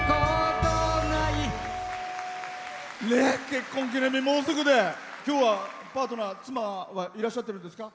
結婚記念日もうすぐで今日は、パートナー、妻はいらっしゃってるんですか？